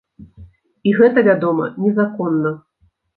І гэта, вядома, незаконна.